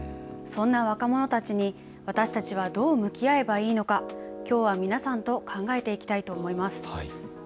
そんな若者たちに私たちはどう向き合えばいいのか、きょうは皆さんと考えていきたいと思います。